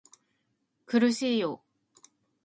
苦しいよ